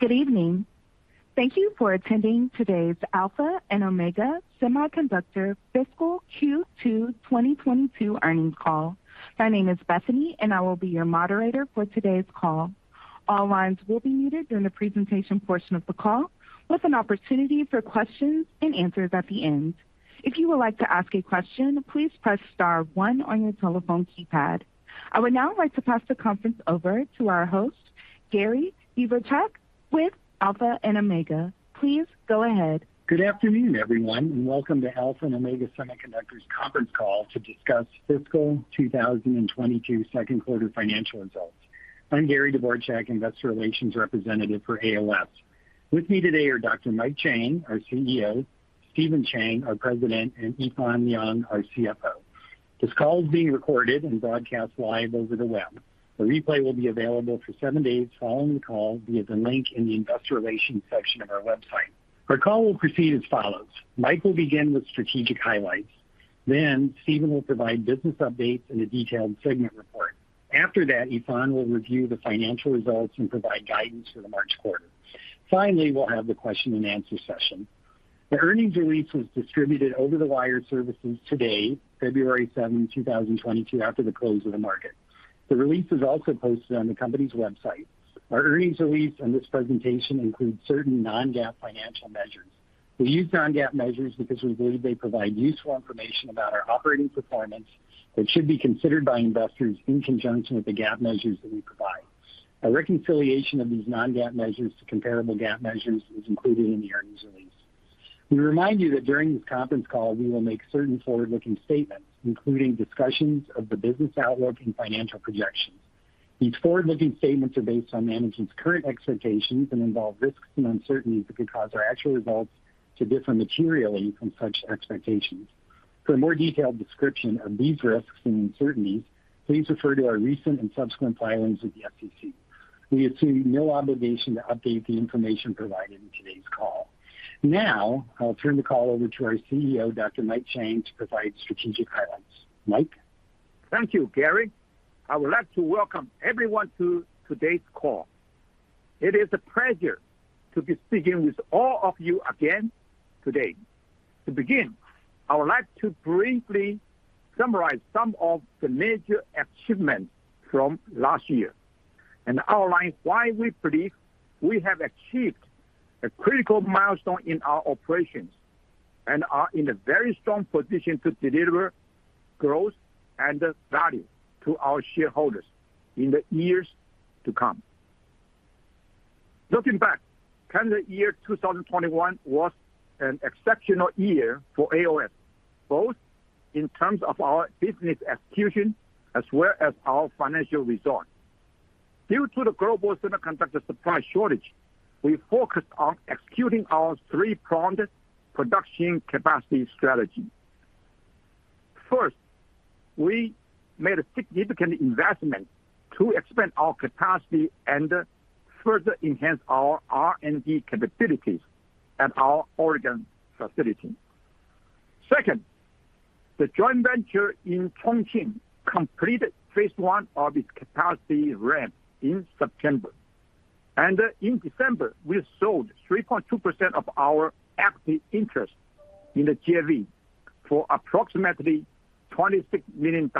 Good evening. Thank you for attending today's Alpha and Omega Semiconductor Fiscal Q2 2022 earnings call. My name is Bethany, and I will be your moderator for today's call. All lines will be muted during the presentation portion of the call with an opportunity for questions and answers at the end. If you would like to ask a question, please press star one on your telephone keypad. I would now like to pass the conference over to our host, Gary Dvorchak, with Alpha and Omega. Please go ahead. Good afternoon, everyone, and welcome to Alpha and Omega Semiconductor's conference call to discuss fiscal 2022 second quarter financial results. I'm Gary Dvorchak, investor relations representative for AOS. With me today are Dr. Mike Chang, our CEO, Stephen Chang, our President, and Yifan Liang, our CFO. This call is being recorded and broadcast live over the web. The replay will be available for seven days following the call via the link in the investor relations section of our website. Our call will proceed as follows. Mike will begin with strategic highlights, then Stephen will provide business updates and a detailed segment report. After that, Yifan will review the financial results and provide guidance for the March quarter. Finally, we'll have the question and answer session. The earnings release was distributed over the wire services today, February 7, 2022, after the close of the market. The release is also posted on the company's website. Our earnings release and this presentation include certain non-GAAP financial measures. We use non-GAAP measures because we believe they provide useful information about our operating performance that should be considered by investors in conjunction with the GAAP measures that we provide. A reconciliation of these non-GAAP measures to comparable GAAP measures is included in the earnings release. We remind you that during this conference call, we will make certain forward-looking statements, including discussions of the business outlook and financial projections. These forward-looking statements are based on management's current expectations and involve risks and uncertainties that could cause our actual results to differ materially from such expectations. For a more detailed description of these risks and uncertainties, please refer to our recent and subsequent filings with the SEC. We assume no obligation to update the information provided in today's call. Now, I'll turn the call over to our CEO, Dr. Mike Chang, to provide strategic highlights. Mike? Thank you, Gary. I would like to welcome everyone to today's call. It is a pleasure to be speaking with all of you again today. To begin, I would like to briefly summarize some of the major achievements from last year and outline why we believe we have achieved a critical milestone in our operations and are in a very strong position to deliver growth and value to our shareholders in the years to come. Looking back, calendar year 2021 was an exceptional year for AOS, both in terms of our business execution as well as our financial results. Due to the global semiconductor supply shortage, we focused on executing our three-pronged production capacity strategy. First, we made a significant investment to expand our capacity and further enhance our R&D capabilities at our Oregon facility. Second, the joint venture in Chongqing completed phase one of its capacity ramp in September. In December, we sold 3.2% of our equity interest in the JV for approximately $26 million.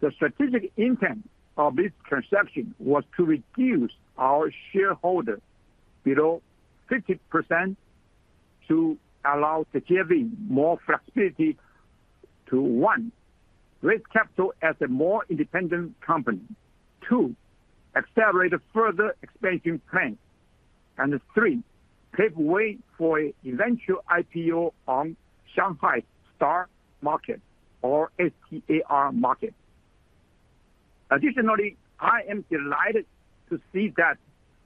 The strategic intent of this transaction was to reduce our shareholding below 50% to allow the JV more flexibility to, one, raise capital as a more independent company. Two, accelerate further expansion plans. Three, pave way for eventual IPO on Shanghai STAR Market or STAR Market. Additionally, I am delighted to see that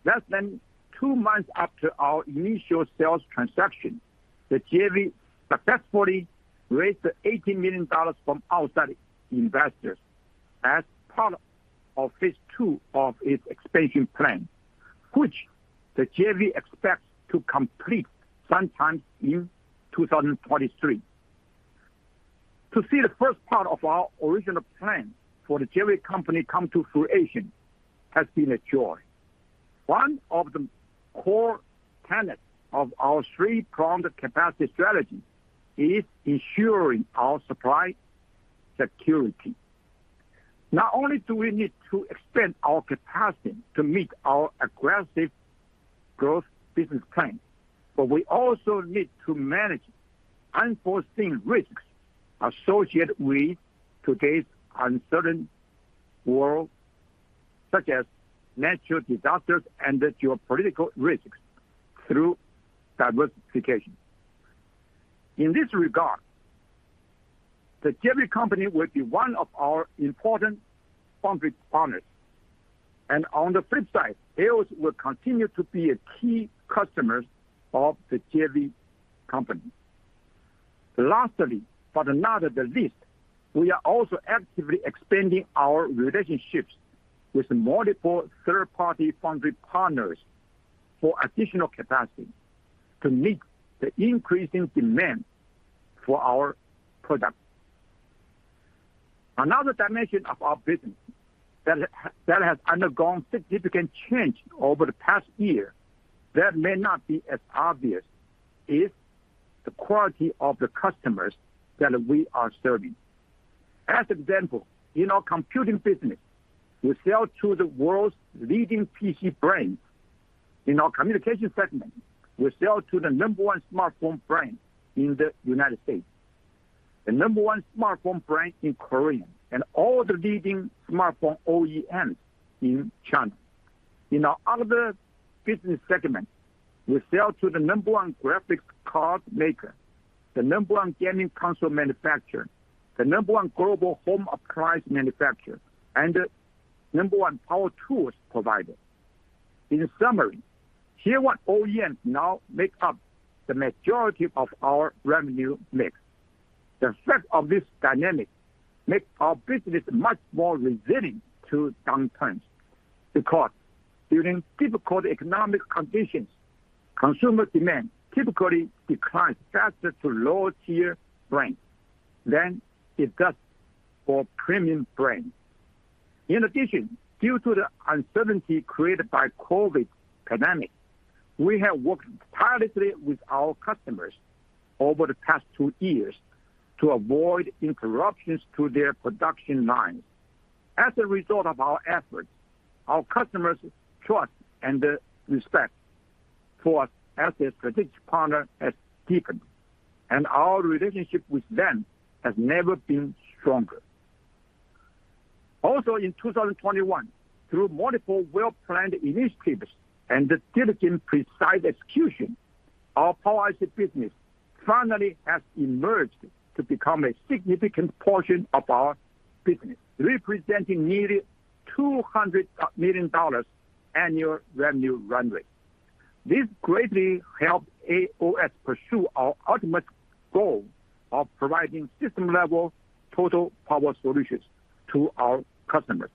less than two months after our initial sales transaction, the JV successfully raised $18 million from outside investors as part of phase two of its expansion plan, which the JV expects to complete sometime in 2023. To see the first part of our original plan for the JV company come to fruition has been a joy. One of the core tenets of our three-pronged capacity strategy is ensuring our supply security. Not only do we need to expand our capacity to meet our aggressive growth business plan, but we also need to manage unforeseen risks associated with today's uncertain world, such as natural disasters and geopolitical risks through diversification. In this regard, the JV company will be one of our important foundry partners. On the flip side, AOS will continue to be a key customer of the JV company. Lastly, but not the least, we are also actively expanding our relationships with multiple third-party foundry partners for additional capacity to meet the increasing demand for our products. Another dimension of our business that has undergone significant change over the past year that may not be as obvious is the quality of the customers that we are serving. As an example, in our computing business, we sell to the world's leading PC brands. In our communication segment, we sell to the number one smartphone brand in the United States, the number one smartphone brand in Korea, and all the leading smartphone OEMs in China. In our other business segments, we sell to the number one graphics card maker, the number one gaming console manufacturer, the number one global home appliance manufacturer, and the number one power tools provider. In summary, tier one OEMs now make up the majority of our revenue mix. The effect of this dynamic makes our business much more resilient to downturns because during difficult economic conditions, consumer demand typically declines faster to lower tier brands than it does for premium brands. In addition, due to the uncertainty created by COVID pandemic, we have worked tirelessly with our customers over the past two years to avoid interruptions to their production lines. As a result of our efforts, our customers' trust and respect for us as a strategic partner has deepened, and our relationship with them has never been stronger. Also in 2021, through multiple well-planned initiatives and the diligent, precise execution, our Power IC business finally has emerged to become a significant portion of our business, representing nearly $200 million annual revenue runway. This greatly helps AOS pursue our ultimate goal of providing system-level total power solutions to our customers,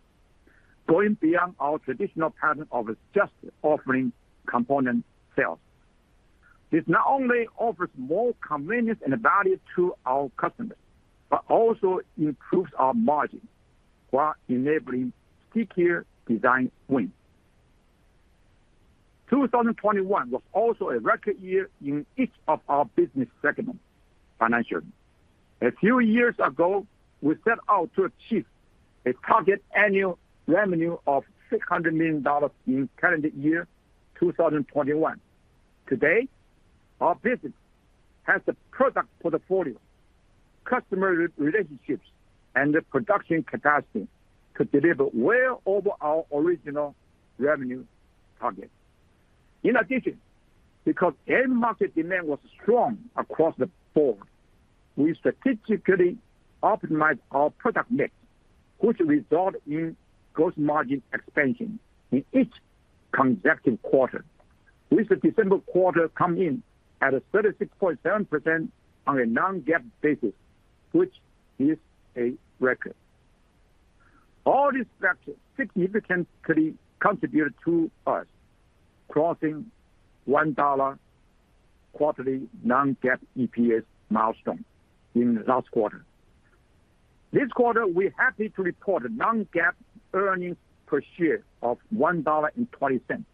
going beyond our traditional pattern of just offering component sales. This not only offers more convenience and value to our customers, but also improves our margin while enabling secure design wins. 2021 was also a record year in each of our business segments financially. A few years ago, we set out to achieve a target annual revenue of $600 million in calendar year 2021. Today, our business has the product portfolio, customer relationships, and the production capacity to deliver well over our original revenue target. In addition, because end market demand was strong across the board, we strategically optimized our product mix, which result in gross margin expansion in each consecutive quarter, with the December quarter come in at 36.7% on a non-GAAP basis, which is a record. All these factors significantly contributed to us crossing $1 quarterly non-GAAP EPS milestone in the last quarter. This quarter, we're happy to report a non-GAAP earnings per share of $1.20,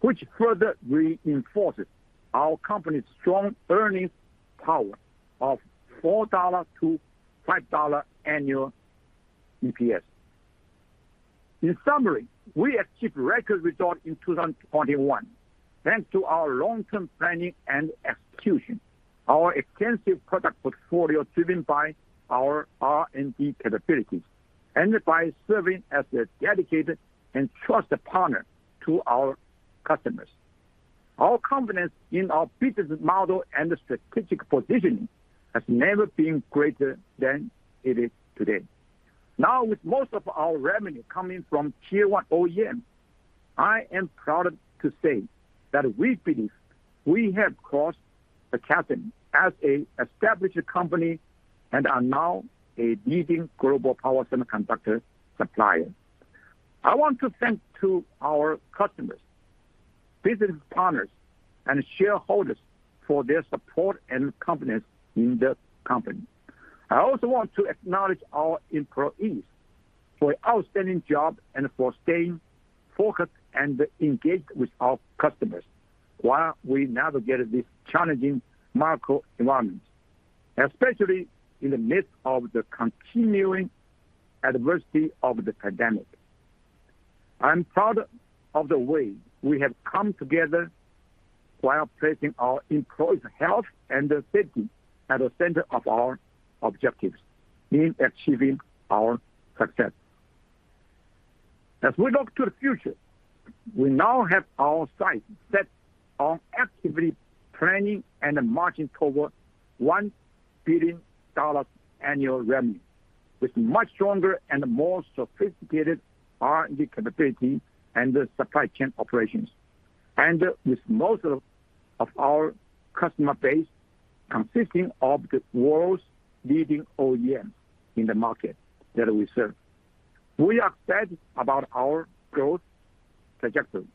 which further reinforces our company's strong earnings power of $4-$5 annual EPS. In summary, we achieved record results in 2021 thanks to our long-term planning and execution, our extensive product portfolio driven by our R&D capabilities, and by serving as a dedicated and trusted partner to our customers. Our confidence in our business model and strategic positioning has never been greater than it is today. Now, with most of our revenue coming from tier one OEMs, I am proud to say that we believe we have crossed the chasm as an established company and are now a leading global power semiconductor supplier. I want to thanks to our customers, business partners, and shareholders for their support and confidence in the company. I also want to acknowledge our employees for outstanding job and for staying focused and engaged with our customers while we navigate this challenging macro environment, especially in the midst of the continuing adversity of the pandemic. I'm proud of the way we have come together while placing our employees' health and safety at the center of our objectives in achieving our success. As we look to the future, we now have our sights set on actively planning and marching toward $1 billion annual revenue with much stronger and more sophisticated R&D capability and supply chain operations. With most of our customer base consisting of the world's leading OEMs in the markets that we serve. We are excited about our growth trajectory.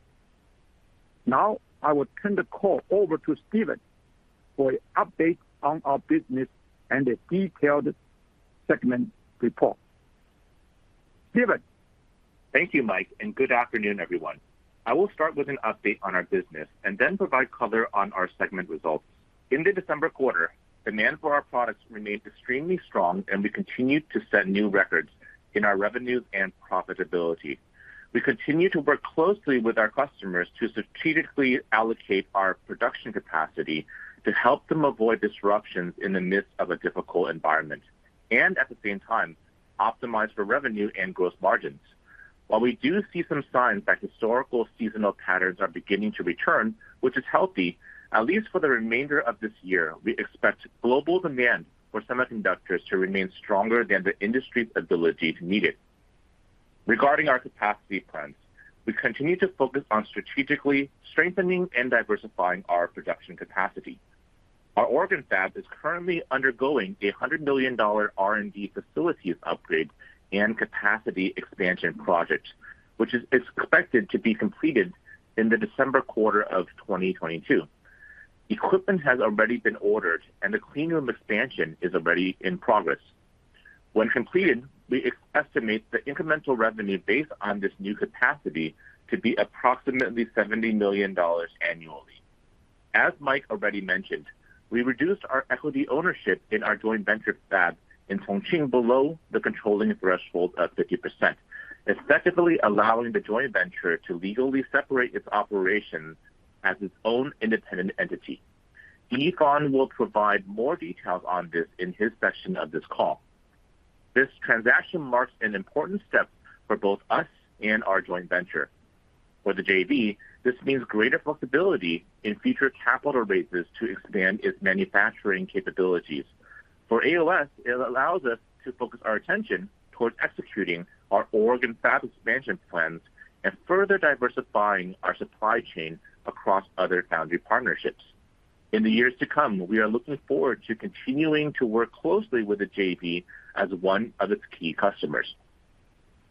Now I will turn the call over to Stephen for an update on our business and a detailed segment report. Stephen? Thank you, Mike, and good afternoon, everyone. I will start with an update on our business and then provide color on our segment results. In the December quarter, demand for our products remained extremely strong, and we continued to set new records in our revenue and profitability. We continue to work closely with our customers to strategically allocate our production capacity to help them avoid disruptions in the midst of a difficult environment, and at the same time, optimize for revenue and gross margins. While we do see some signs that historical seasonal patterns are beginning to return, which is healthy, at least for the remainder of this year, we expect global demand for semiconductors to remain stronger than the industry's ability to meet it. Regarding our capacity plans, we continue to focus on strategically strengthening and diversifying our production capacity. Our Oregon Fab is currently undergoing a $100 million R&D facilities upgrade and capacity expansion project, which is expected to be completed in the December quarter of 2022. Equipment has already been ordered and the clean room expansion is already in progress. When completed, we estimate the incremental revenue based on this new capacity to be approximately $70 million annually. As Mike already mentioned, we reduced our equity ownership in our joint venture fab in Chongqing below the controlling threshold of 50%, effectively allowing the joint venture to legally separate its operations as its own independent entity. Yifan will provide more details on this in his section of this call. This transaction marks an important step for both us and our joint venture. For the JV, this means greater flexibility in future capital raises to expand its manufacturing capabilities. For AOS, it allows us to focus our attention towards executing our Oregon Fab expansion plans and further diversifying our supply chain across other foundry partnerships. In the years to come, we are looking forward to continuing to work closely with the JV as one of its key customers.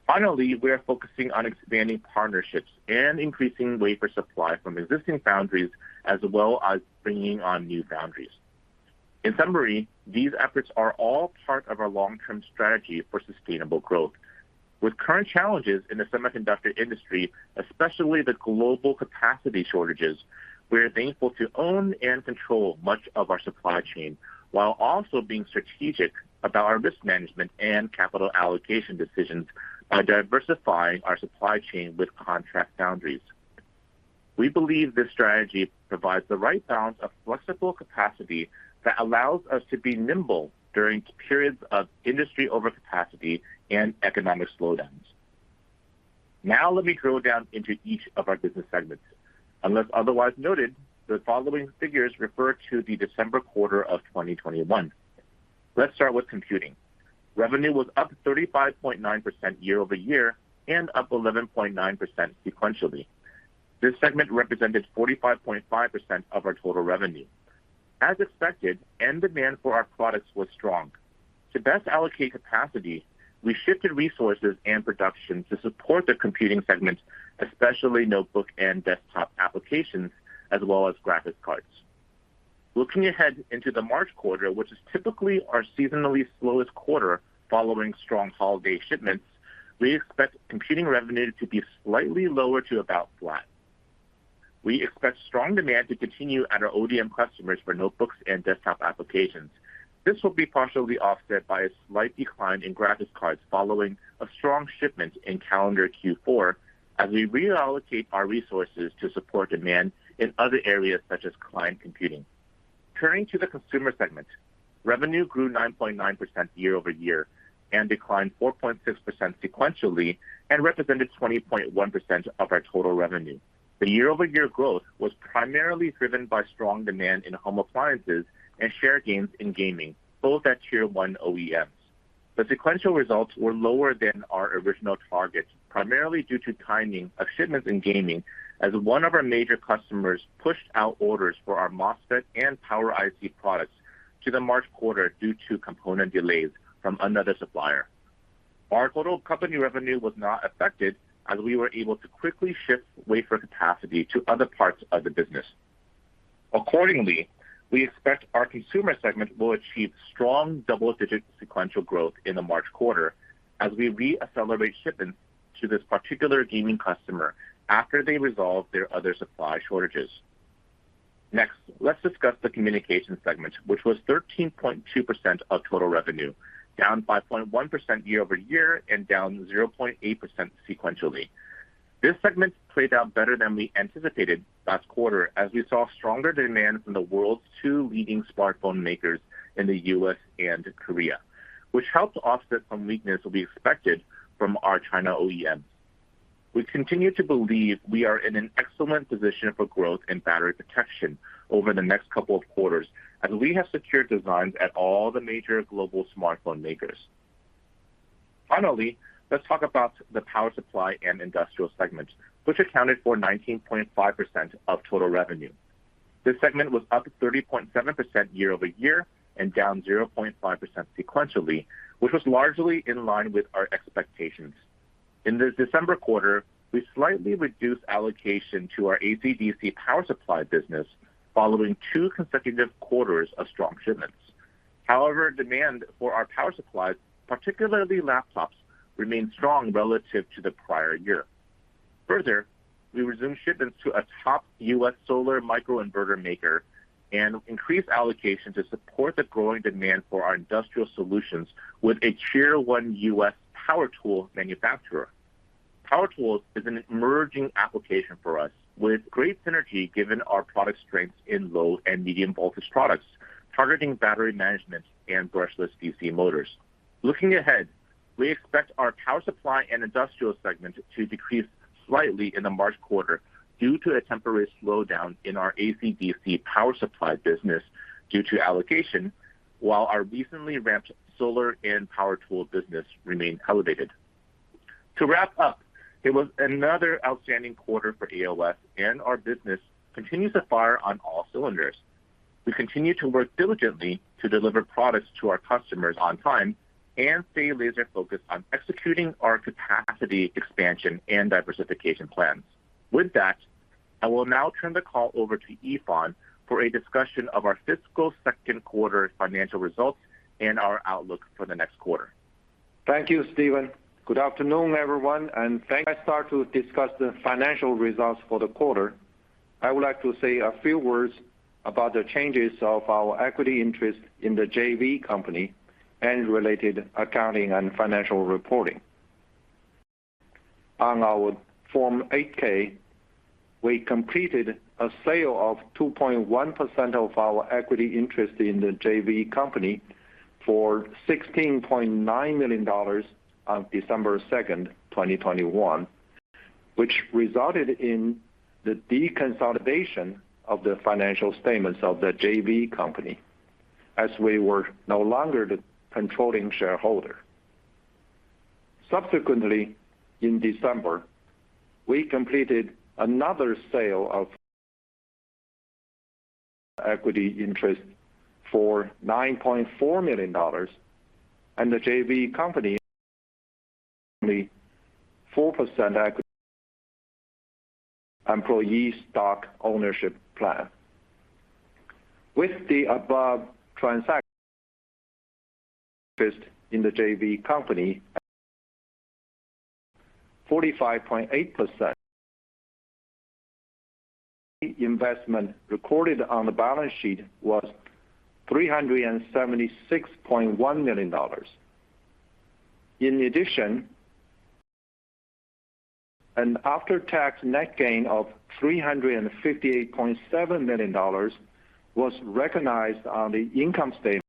Finally, we are focusing on expanding partnerships and increasing wafer supply from existing foundries, as well as bringing on new foundries. In summary, these efforts are all part of our long-term strategy for sustainable growth. With current challenges in the semiconductor industry, especially the global capacity shortages, we're thankful to own and control much of our supply chain while also being strategic about our risk management and capital allocation decisions by diversifying our supply chain with contract foundries. We believe this strategy provides the right balance of flexible capacity that allows us to be nimble during periods of industry overcapacity and economic slowdowns. Now let me drill down into each of our business segments. Unless otherwise noted, the following figures refer to the December quarter of 2021. Let's start with computing. Revenue was up 35.9% year-over-year and up 11.9% sequentially. This segment represented 45.5% of our total revenue. As expected, end demand for our products was strong. To best allocate capacity, we shifted resources and production to support the computing segments, especially notebook and desktop applications, as well as graphics cards. Looking ahead into the March quarter, which is typically our seasonally slowest quarter following strong holiday shipments, we expect computing revenue to be slightly lower to about flat. We expect strong demand to continue at our ODM customers for notebooks and desktop applications. This will be partially offset by a slight decline in graphics cards following a strong shipment in calendar Q4 as we reallocate our resources to support demand in other areas such as client computing. Turning to the consumer segment, revenue grew 9.9% year-over-year and declined 4.6% sequentially and represented 20.1% of our total revenue. The year-over-year growth was primarily driven by strong demand in home appliances and share gains in gaming, both at tier one OEMs. The sequential results were lower than our original targets, primarily due to timing of shipments in gaming as one of our major customers pushed out orders for our MOSFET and Power IC products to the March quarter due to component delays from another supplier. Our total company revenue was not affected as we were able to quickly shift wafer capacity to other parts of the business. Accordingly, we expect our consumer segment will achieve strong double-digit sequential growth in the March quarter as we re-accelerate shipments to this particular gaming customer after they resolve their other supply shortages. Next, let's discuss the communication segment, which was 13.2% of total revenue, down 5.1% year over year and down 0.8% sequentially. This segment played out better than we anticipated last quarter as we saw stronger demand from the world's two leading smartphone makers in the U.S. and Korea, which helped offset some weakness that we expected from our China OEM. We continue to believe we are in an excellent position for growth in battery protection over the next couple of quarters as we have secured designs at all the major global smartphone makers. Finally, let's talk about the power supply and industrial segments, which accounted for 19.5% of total revenue. This segment was up 30.7% year-over-year and down 0.5% sequentially, which was largely in line with our expectations. In the December quarter, we slightly reduced allocation to our AC/DC power supply business following two consecutive quarters of strong shipments. However, demand for our power supplies, particularly laptops, remained strong relative to the prior year. Further, we resumed shipments to a top U.S. solar microinverter maker and increased allocation to support the growing demand for our industrial solutions with a tier-one U.S. power tool manufacturer. Power tools is an emerging application for us with great synergy given our product strengths in low and medium voltage products, targeting battery management and brushless DC motors. Looking ahead, we expect our power supply and industrial segment to decrease slightly in the March quarter due to a temporary slowdown in our AC/DC power supply business due to allocation, while our recently ramped solar and power tool business remain elevated. To wrap up, it was another outstanding quarter for AOS, and our business continues to fire on all cylinders. We continue to work diligently to deliver products to our customers on time and stay laser focused on executing our capacity expansion and diversification plans. With that, I will now turn the call over to Yifan for a discussion of our fiscal second quarter financial results and our outlook for the next quarter. Thank you, Stephen. Good afternoon, everyone, and thank you. Before I start to discuss the financial results for the quarter, I would like to say a few words about the changes of our equity interest in the JV company and related accounting and financial reporting. On our Form 8-K, we completed a sale of 2.1% of our equity interest in the JV company for $16.9 million on December 2, 2021, which resulted in the deconsolidation of the financial statements of the JV company as we were no longer the controlling shareholder. Subsequently, in December, we completed another sale of equity interest for $9.4 million, and the JV company 4% equity employee stock ownership plan. With the above transaction interest in the JV company, 45.8% investment recorded on the balance sheet was $376.1 million. In addition, an after-tax net gain of $358.7 million was recognized on the income statement,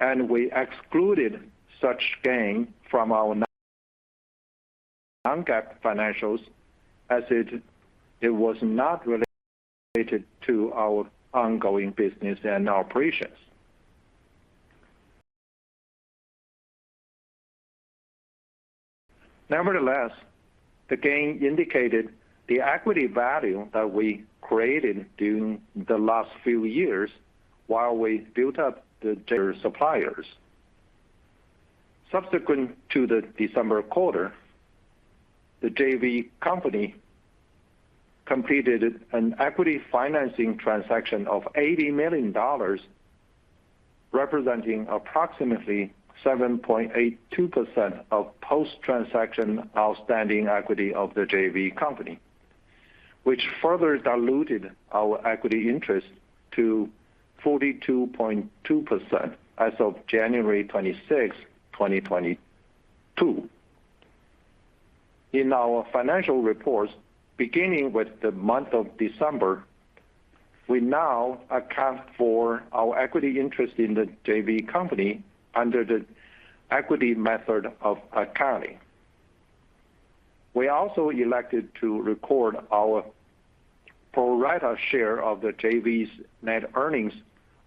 and we excluded such gain from our non-GAAP financials as it was not related to our ongoing business and operations. Nevertheless, the gain indicated the equity value that we created during the last few years while we built up the suppliers. Subsequent to the December quarter, the JV company completed an equity financing transaction of $80 million, representing approximately 7.82% of post-transaction outstanding equity of the JV company, which further diluted our equity interest to 42.2% as of January 26, 2022. In our financial reports, beginning with the month of December, we now account for our equity interest in the JV company under the equity method of accounting. We also elected to record our pro rata share of the JV's net earnings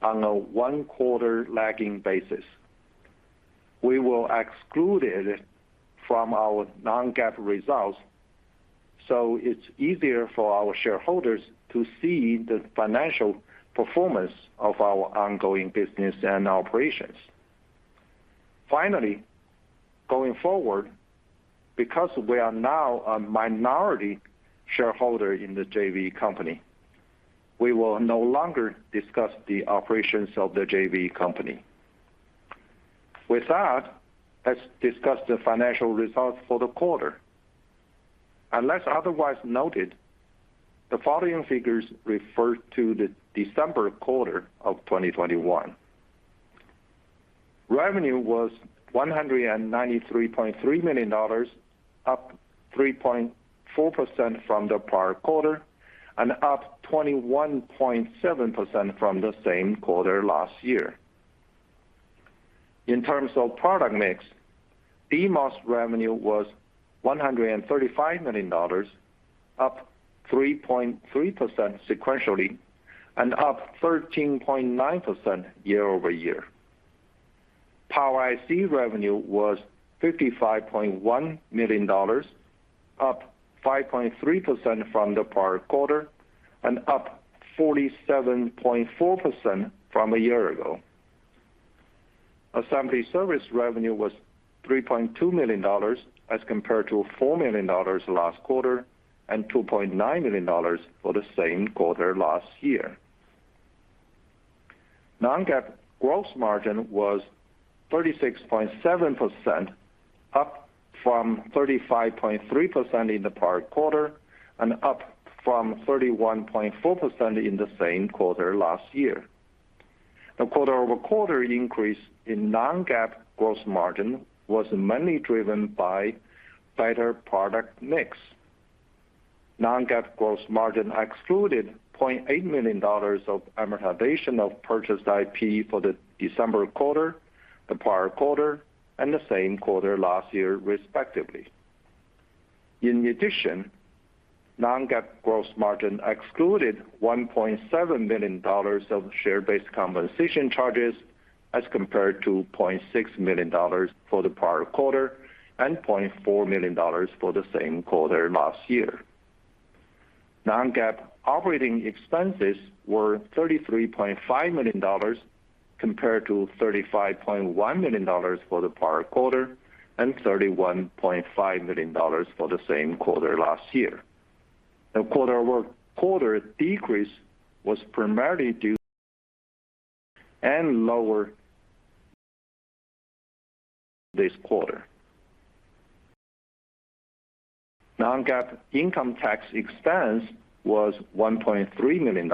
on a one-quarter lagging basis. We will exclude it from our non-GAAP results, so it's easier for our shareholders to see the financial performance of our ongoing business and operations. Finally, going forward, because we are now a minority shareholder in the JV company, we will no longer discuss the operations of the JV company. With that, let's discuss the financial results for the quarter. Unless otherwise noted, the following figures refer to the December quarter of 2021. Revenue was $193.3 million, up 3.4% from the prior quarter and up 21.7% from the same quarter last year. In terms of product mix, DMOS revenue was $135 million, up 3.3% sequentially and up 13.9% year-over-year. Power IC revenue was $55.1 million, up 5.3% from the prior quarter and up 47.4% from a year ago. Assembly service revenue was $3.2 million as compared to $4 million last quarter and $2.9 million for the same quarter last year. non-GAAP gross margin was 36.7%, up from 35.3% in the prior quarter, and up from 31.4% in the same quarter last year. The quarter-over-quarter increase in non-GAAP gross margin was mainly driven by better product mix. Non-GAAP gross margin excluded $0.8 million of amortization of purchased IP for the December quarter, the prior quarter, and the same quarter last year, respectively. In addition, non-GAAP gross margin excluded $1.7 million of share-based compensation charges as compared to $0.6 million for the prior quarter and $0.4 million for the same quarter last year. Non-GAAP operating expenses were $33.5 million compared to $35.1 million for the prior quarter and $31.5 million for the same quarter last year. The quarter-over-quarter decrease was primarily due to lower this quarter. Non-GAAP income tax expense was $1.3 million,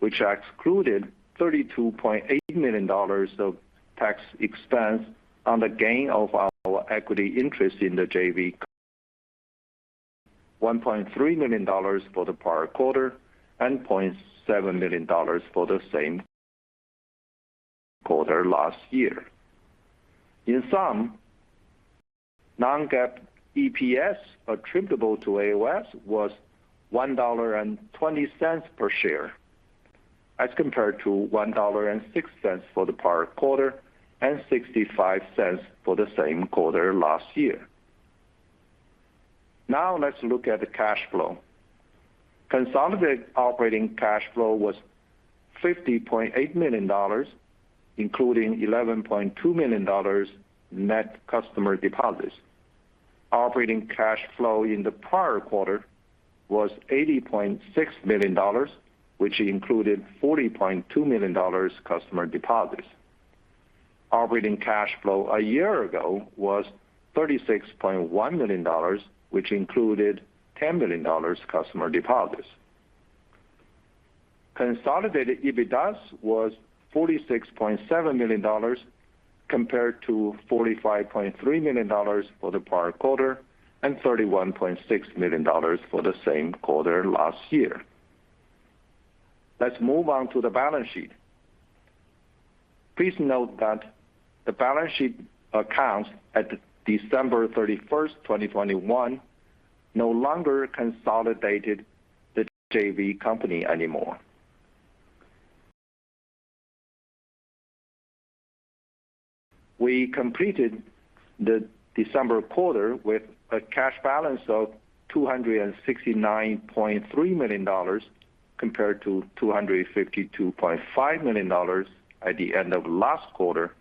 which excluded $32.8 million of tax expense on the gain of our equity interest in the JV, $1.3 million for the prior quarter, and $0.7 million for the same quarter last year. In sum, non-GAAP EPS attributable to AOS was $1.20 per share as compared to $1.06 for the prior quarter and $0.65 for the same quarter last year. Now let's look at the cash flow. Consolidated operating cash flow was $50.8 million, including $11.2 million net customer deposits. Operating cash flow in the prior quarter was $80.6 million, which included $40.2 million customer deposits. Operating cash flow a year ago was $36.1 million, which included $10 million customer deposits. Consolidated EBITDA was $46.7 million compared to $45.3 million for the prior quarter and $31.6 million for the same quarter last year. Let's move on to the balance sheet. Please note that the balance sheet accounts at December 31, 2021 no longer consolidated the JV company anymore. We completed the December quarter with a cash balance of $269.3 million compared to $252.5 million at the end of last quarter,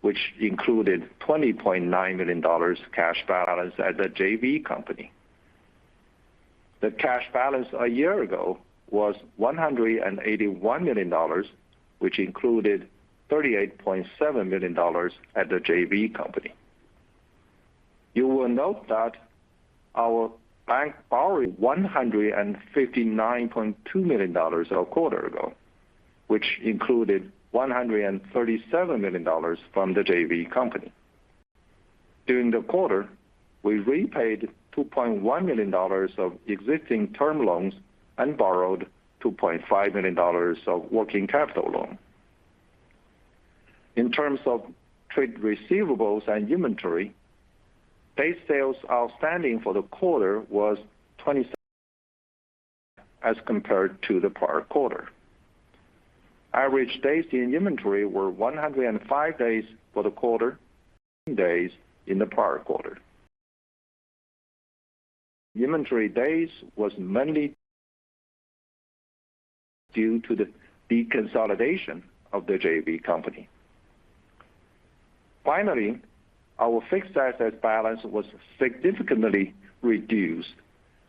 which included $20.9 million cash balance at the JV company. The cash balance a year ago was $181 million, which included $38.7 million at the JV company. You will note that our bank borrowing $159.2 million a quarter ago, which included $137 million from the JV company. During the quarter, we repaid $2.1 million of existing term loans and borrowed $2.5 million of working capital loan. In terms of trade receivables and inventory, day sales outstanding for the quarter was 20 as compared to the prior quarter. Average days in inventory were 105 days for the quarter, days in the prior quarter. Inventory days was mainly due to the deconsolidation of the JV company. Finally, our fixed asset balance was significantly reduced,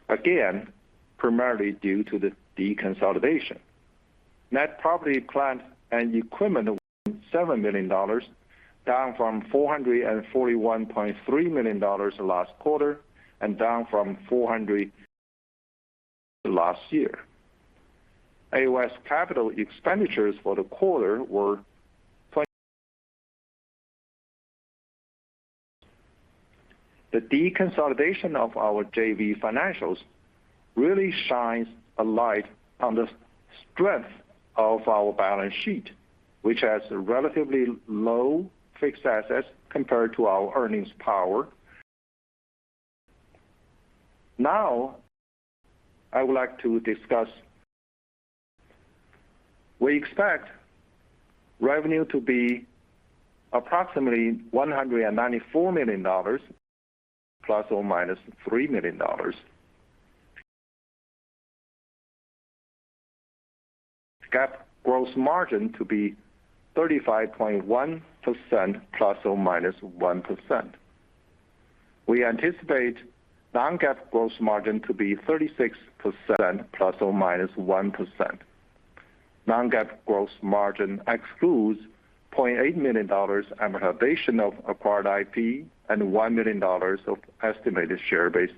again, primarily due to the deconsolidation. Net property, plant and equipment, $7 million, down from $441.3 million last quarter and down from $400 million last year. AOS capital expenditures for the quarter were $20 million. The deconsolidation of our JV financials really shines a light on the strength of our balance sheet, which has a relatively low fixed assets compared to our earnings power. Now I would like to discuss. We expect revenue to be approximately $194 million ±$3 million. GAAP gross margin to be 35.1% ±1%. We anticipate non-GAAP gross margin to be 36% ±1%. Non-GAAP gross margin excludes $0.8 million amortization of acquired IP and $1 million of estimated share-based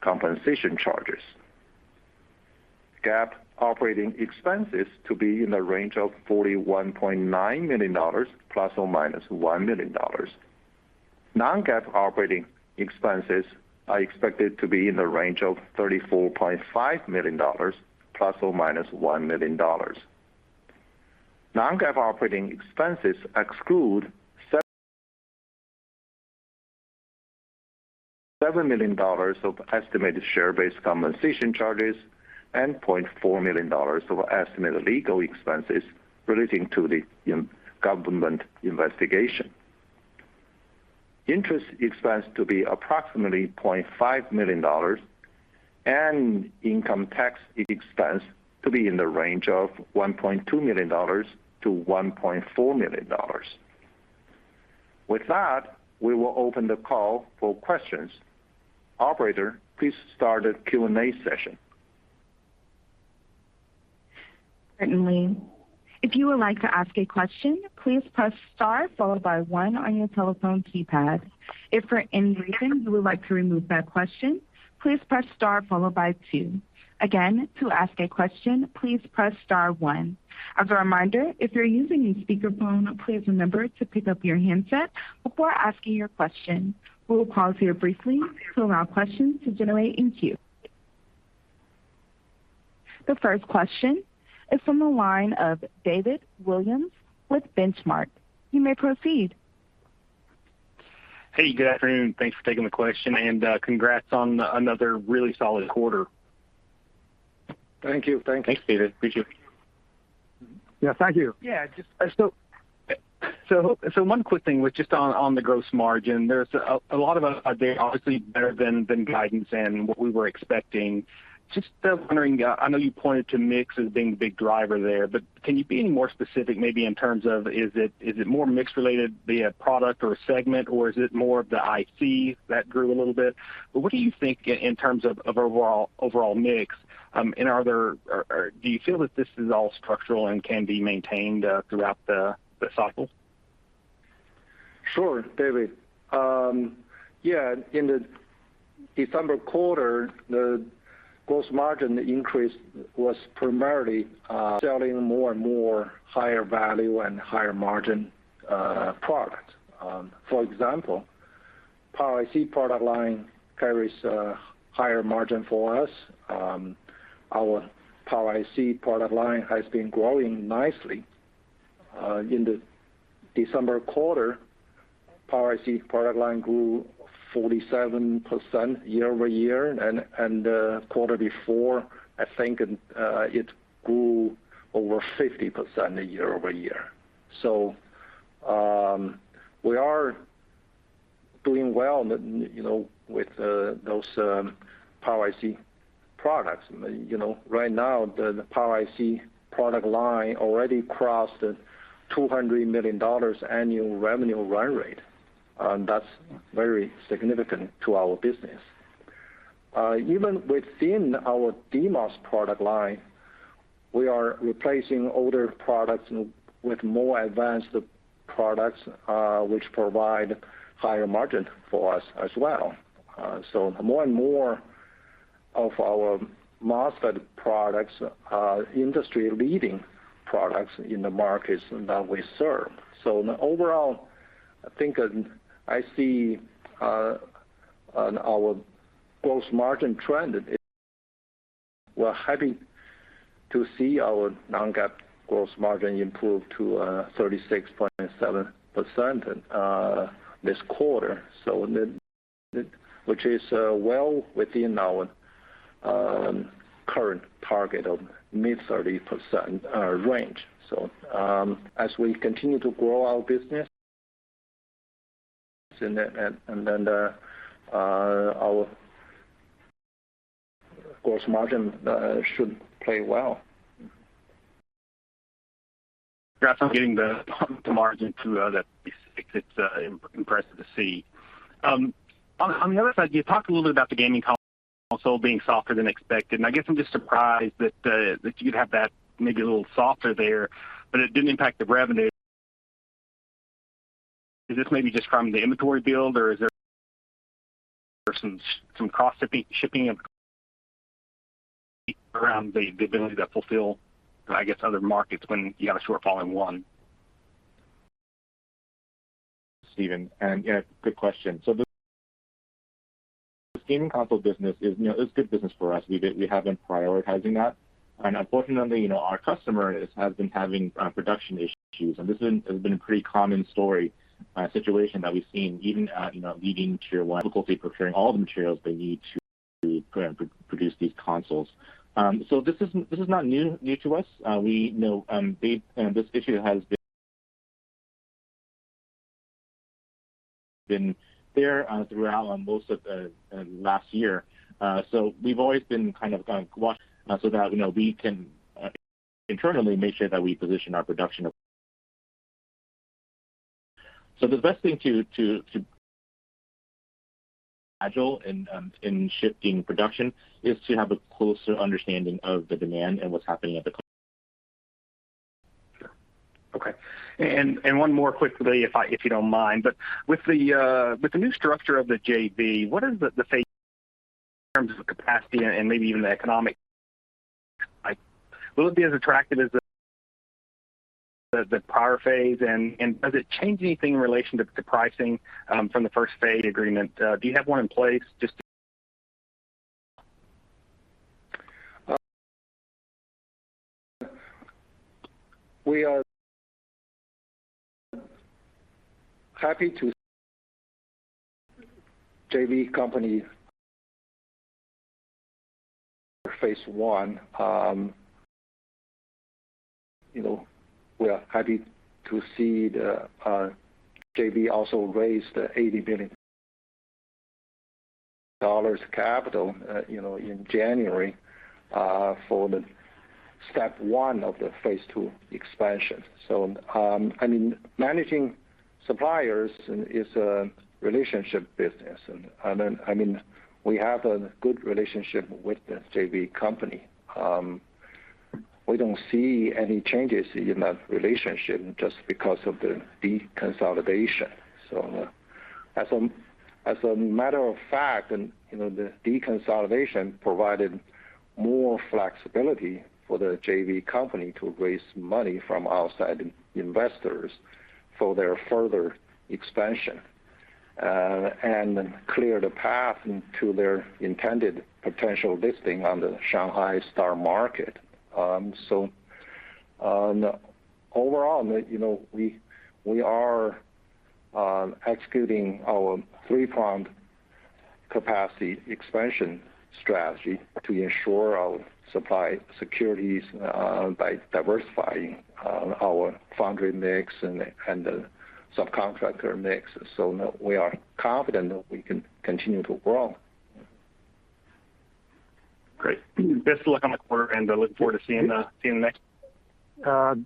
compensation charges. GAAP operating expenses to be in the range of $41.9 million ±$1 million. non-GAAP operating expenses are expected to be in the range of $34.5 million ± $1 million. non-GAAP operating expenses exclude $7 million of estimated share-based compensation charges and $0.4 million of estimated legal expenses relating to the government investigation. Interest expense to be approximately $0.5 million and income tax expense to be in the range of $1.2 million-$1.4 million. With that, we will open the call for questions. Operator, please start the Q&A session. Certainly. If you would like to ask a question, please press star followed by one on your telephone keypad. If for any reason you would like to remove that question, please press star followed by two. Again, to ask a question, please press star one. As a reminder, if you're using a speakerphone, please remember to pick up your handset before asking your question. We will pause here briefly to allow questions to generate in queue. The first question is from the line of David Williams with Benchmark. You may proceed. Hey, good afternoon. Thanks for taking the question and, congrats on another really solid quarter. Thank you. Thank you. Thanks, David. I appreciate it. Yeah, thank you. One quick thing just on the gross margin. There's a lot, obviously, better than guidance and what we were expecting. Just wondering, I know you pointed to mix as being the big driver there, but can you be any more specific maybe in terms of is it more mix related, be it product or segment, or is it more of the IC that grew a little bit? What do you think in terms of overall mix? Or do you feel that this is all structural and can be maintained throughout the cycle? Sure, David. Yeah, in the December quarter, the gross margin increase was primarily selling more and more higher value and higher margin products. For example, Power IC product line carries a higher margin for us. Our Power IC product line has been growing nicely. In the December quarter, Power IC product line grew 47% year-over-year, and the quarter before, I think, it grew over 50% year-over-year. We are doing well, you know, with those Power IC products. You know, right now, the Power IC product line already crossed $200 million annual revenue run rate. That's very significant to our business. Even within our DMOS product line, we are replacing older products with more advanced products, which provide higher margin for us as well. More and more of our MOSFET products are industry-leading products in the markets that we serve. Overall, I think I see on our gross margin trend, we're happy to see our non-GAAP gross margin improve to 36.7% this quarter, which is well within our current target of mid-30% range. As we continue to grow our business and then our gross margin should play well. Congrats on getting the margin to that. It's impressive to see. On the other side, you talked a little bit about the gaming console being softer than expected. I guess I'm just surprised that you'd have that maybe a little softer there, but it didn't impact the revenue. Is this maybe just from the inventory build or is there some cost of shipping around the ability to fulfill, I guess, other markets when you have a shortfall in one? Stephen, yeah, good question. The gaming console business is, you know, it's good business for us. We have been prioritizing that. Unfortunately, you know, our customers have been having production issues, and this has been a pretty common story, situation that we've seen even at, you know, leading tier one difficulty procuring all the materials they need to produce these consoles. This is not new to us. We know this issue has been there throughout most of last year. We've always been kind of on watch so that, you know, we can internally make sure that we position our production of... The best thing to be agile in shifting production is to have a closer understanding of the demand and what's happening at the. Okay. One more quickly if you don't mind, but with the new structure of the JV, what is the phase in terms of capacity and maybe even the economic? Will it be as attractive as the prior phase and does it change anything in relation to the pricing from the first phase agreement? Do you have one in place just to? You know, we are happy to see the JV also raise the $80 billion capital, you know, in January, for the step one of the phase two expansion. I mean, managing suppliers is a relationship business and I mean, we have a good relationship with the JV company. We don't see any changes in that relationship just because of the deconsolidation. As a matter of fact, you know, the deconsolidation provided more flexibility for the JV company to raise money from outside investors for their further expansion, and clear the path to their intended potential listing on the Shanghai STAR Market. Overall, you know, we are executing our three-pronged capacity expansion strategy to ensure our supply security by diversifying our foundry mix and the subcontractor mix. We are confident that we can continue to grow. Great. Best of luck on the quarter, and I look forward to seeing the next.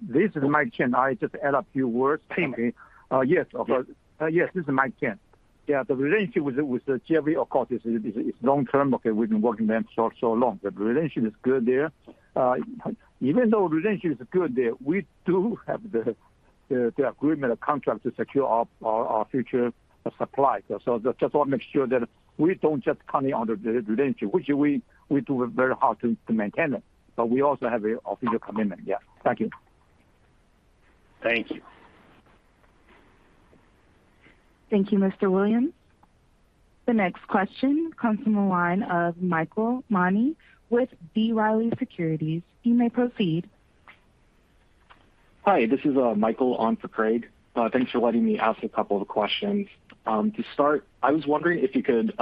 This is Mike Chang. Can I just add a few words, maybe? Sure. Yes. Yes, this is Mike Chang. Yeah, the relationship with the JV, of course, is long term, okay? We've been working them for so long. The relationship is good there. Even though relationship is good there, we do have the agreement or contract to secure our future supply. Just want to make sure that we don't just count on the relationship, which we do work very hard to maintain it, but we also have an official commitment, yeah. Thank you. Thank you. Thank you, Mr. Williams. The next question comes from the line of Michael Mani with B. Riley Securities. You may proceed. Hi, this is Michael on for Craig. Thanks for letting me ask a couple of questions. To start, I was wondering if you could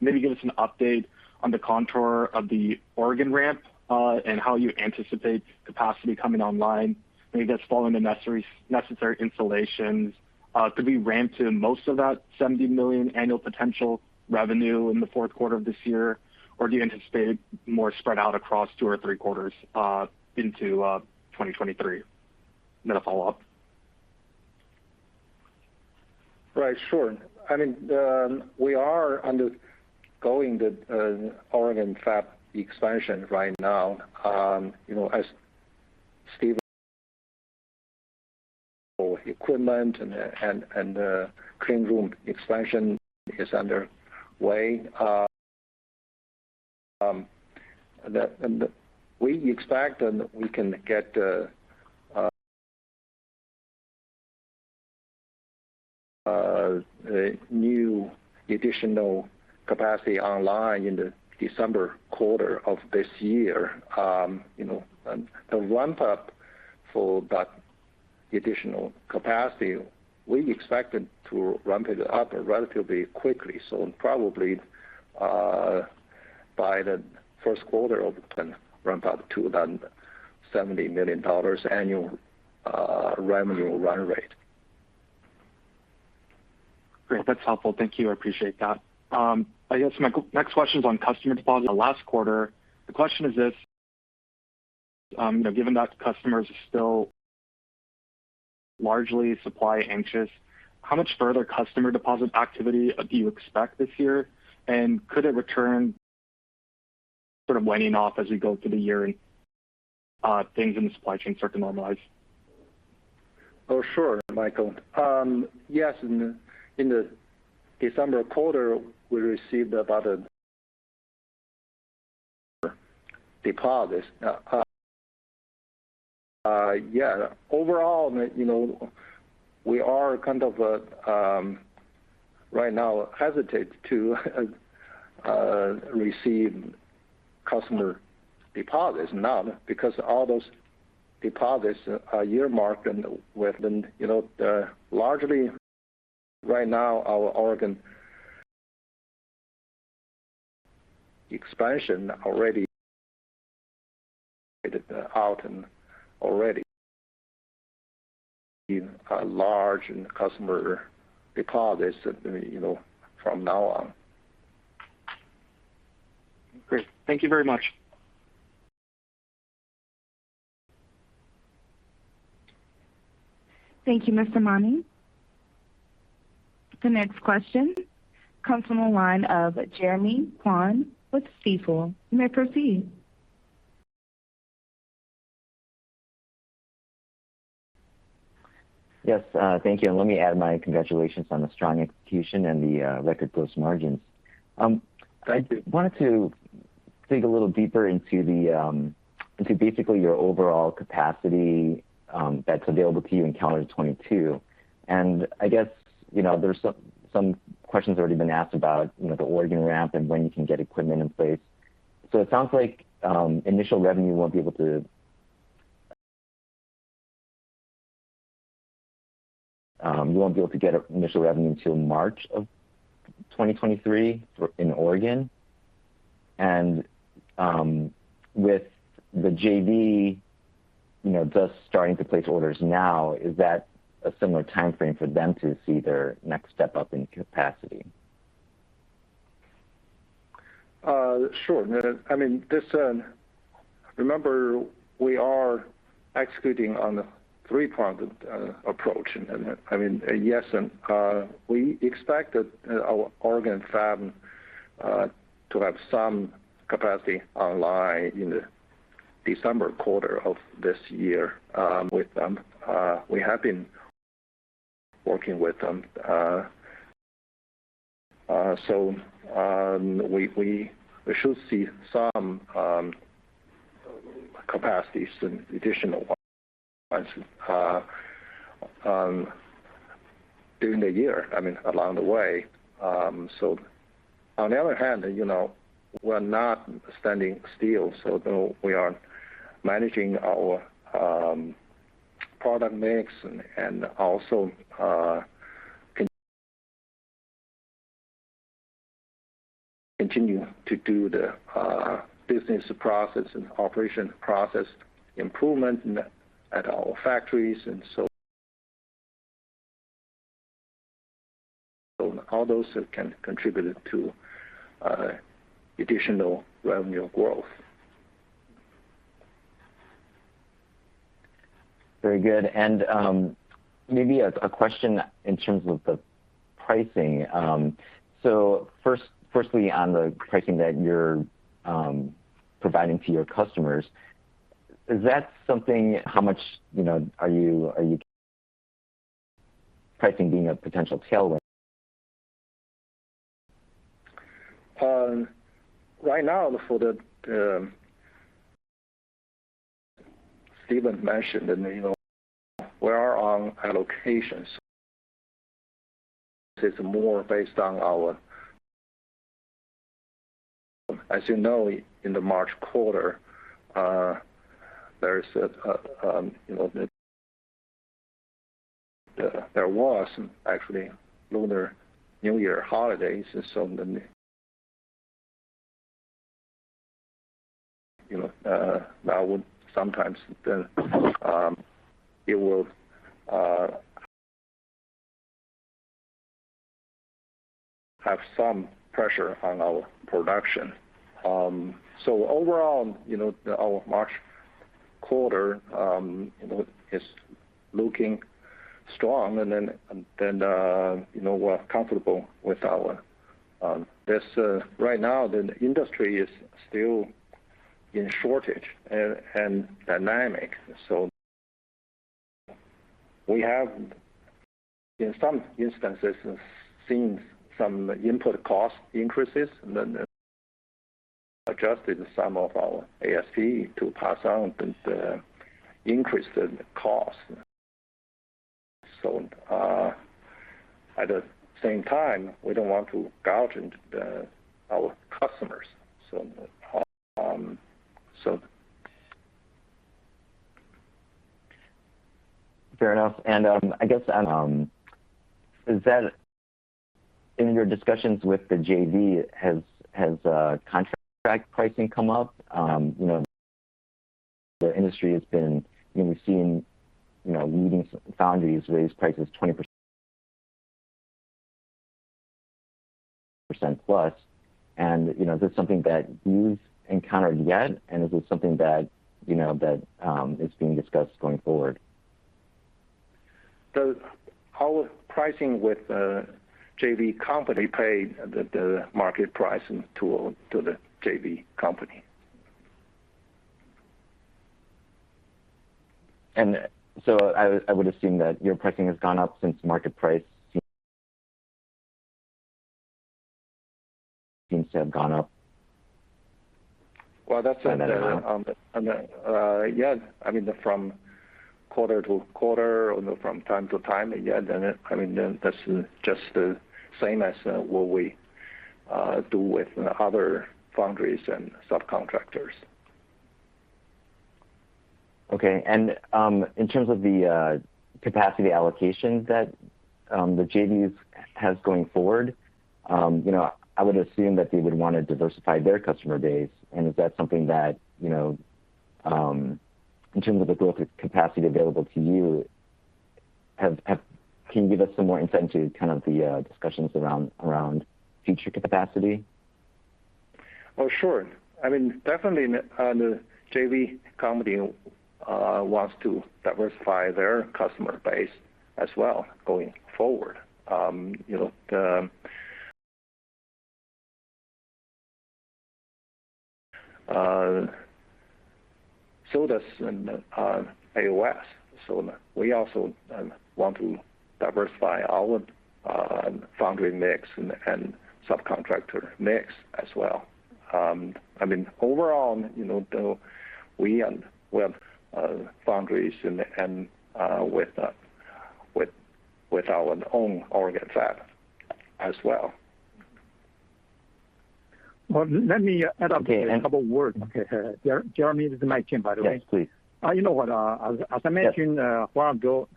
maybe give us an update on the contour of the Oregon ramp, and how you anticipate capacity coming online when it does fall into necessary installations. Could we ramp to most of that $70 million annual potential revenue in the fourth quarter of this year? Or do you anticipate more spread out across two or three quarters into 2023? A follow-up. I mean, we are undergoing the Oregon fab expansion right now. You know, as the equipment and clean room expansion is underway. We expect that we can get the new additional capacity online in the December quarter of this year. You know, the ramp up for that additional capacity, we expect it to ramp it up relatively quickly. Probably by the first quarter of ramp up to about $70 million annual revenue run rate. Great. That's helpful. Thank you. I appreciate that. I guess my next question is on customer deposit last quarter. The question is this, you know, given that customers are still largely supply anxious, how much further customer deposit activity do you expect this year? Could it return sort of waning off as we go through the year and things in the supply chain start to normalize? Oh, sure, Michael. Yes, in the December quarter, we received about deposits. Yeah, overall, you know, we are kind of right now hesitate to receive customer deposits now because all those deposits are earmarked and within. You know, largely right now, our Oregon expansion already out and a large customer deposits, you know, from now on. Great. Thank you very much. Thank you, Mr. Mani. The next question comes from the line of Jeremy Kwan with Stifel. You may proceed. Yes. Thank you. Let me add my congratulations on the strong execution and the record gross margins. I wanted to dig a little deeper into basically your overall capacity that's available to you in calendar 2022. I guess, you know, there's some questions already been asked about, you know, the Oregon ramp and when you can get equipment in place. It sounds like you won't be able to get initial revenue till March 2023 in Oregon. With the JV, you know, just starting to place orders now, is that a similar timeframe for them to see their next step up in capacity? Sure. I mean, remember we are executing on a three-pronged approach. I mean, yes, we expect that our Oregon fab to have some capacity online in the December quarter of this year with them. We have been working with them. We should see some capacities and additional ones during the year. I mean, along the way. On the other hand, you know, we're not standing still, though we are managing our product mix and also continue to do the business process and operation process improvement at our factories and so on. All those can contribute to additional revenue growth. Very good. Maybe a question in terms of the pricing. First on the pricing that you're providing to your customers, how much, you know, is your pricing being a potential tailwind? Right now, Stephen mentioned that, you know, we are on allocations. It's more based on our. As you know, in the March quarter, there was actually Lunar New Year holidays, and so that would sometimes then have some pressure on our production. Overall, you know, our March quarter, you know, is looking strong and then, you know, we're comfortable with our this right now the industry is still in shortage and dynamic. We have, in some instances, seen some input cost increases and then adjusted some of our ASP to pass on the increased cost. At the same time, we don't want to gouge our customers. Fair enough. I guess, is that in your discussions with the JV, has contract pricing come up? You know, the industry has been, you know, we've seen, you know, leading foundries raise prices +20% You know, is this something that you've encountered yet, and is this something that, you know, that is being discussed going forward? Our pricing with the JV company pay the market pricing to the JV company. I would assume that your pricing seems to have gone up. Well, that's yes. I mean, from quarter to quarter or from time to time, yeah. I mean, that's just the same as what we do with other foundries and subcontractors. Okay. In terms of the capacity allocations that the JVs has going forward, you know, I would assume that they would wanna diversify their customer base. Is that something that, you know, in terms of the growth capacity available to you, can you give us some more insight into kind of the discussions around future capacity? Oh, sure. I mean, definitely the JV company wants to diversify their customer base as well going forward. You know, so does AOS. We also want to diversify our foundry mix and subcontractor mix as well. I mean, overall, you know, we have foundries and with our own Oregon Fab as well. Well, let me add on. Okay. Okay. Jeremy, this is my team, by the way. Yes, please. You know what? As I mentioned a while ago,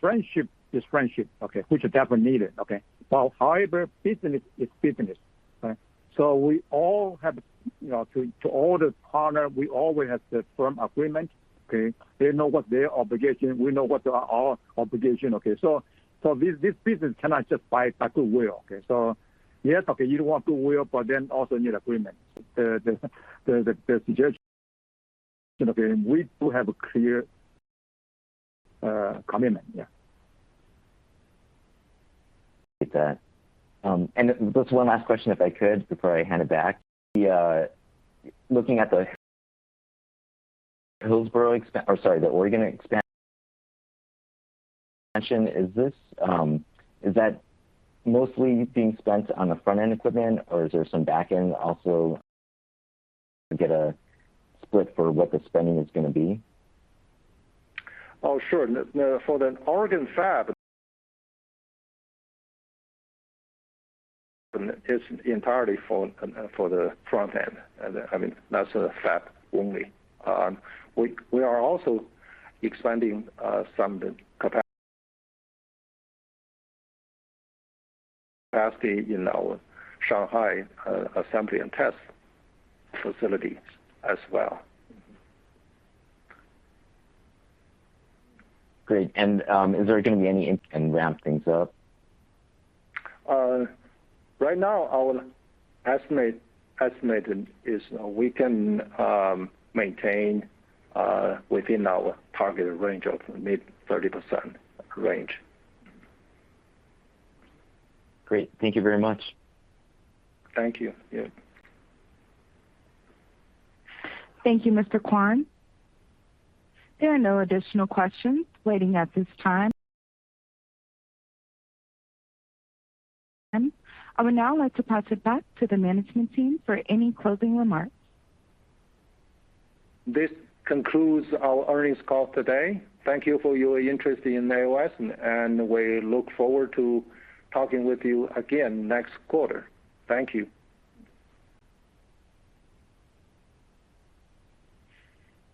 friendship is friendship, which is definitely needed. However, business is business, right? We always have the firm agreement, okay? They know what their obligation, we know what our obligation, okay? This business cannot just by goodwill, okay? Yes, okay, you want goodwill, but then also need agreement. The suggestion, okay, we do have a clear commitment. Yeah. Get that. Just one last question if I could before I hand it back. Looking at the Oregon expansion, is that mostly being spent on the front-end equipment, or is there some back-end also to get a split for what the spending is gonna be? Oh, sure. The Oregon Fab is entirely for the front end. I mean, that's a fab only. We are also expanding some capacity in our Shanghai assembly and test facilities as well. Great. Is there gonna be any in- Ramp things up? Right now our estimate is we can maintain within our targeted range of mid-30% range. Great. Thank you very much. Thank you. Yeah. Thank you, Mr. Kwon. There are no additional questions waiting at this time. I would now like to pass it back to the management team for any closing remarks. This concludes our earnings call today. Thank you for your interest in AOS, and we look forward to talking with you again next quarter. Thank you.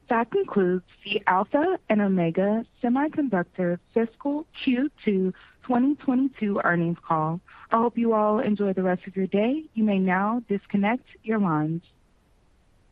That concludes the Alpha and Omega Semiconductor fiscal Q2 2022 earnings call. I hope you all enjoy the rest of your day. You may now disconnect your lines.